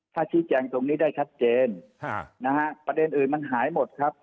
ถ้าชี้แจงตรงนี้ได้ชัดเจนประเด็นอื่นมันหายหมดครับ